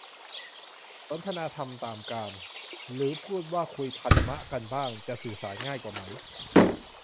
สนทนาธรรมตามกาล หรือพูดว่าคุยธรรมะกันบ้าง จะสื่อสารง่ายกว่าไหม